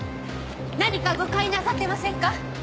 何か誤解なさっていませんか？